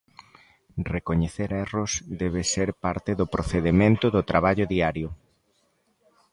Recoñecer erros debe ser parte do procedemento do traballo diario.